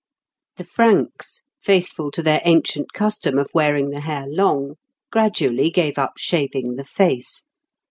The Franks, faithful to their ancient custom of wearing the hair long, gradually gave up shaving the face.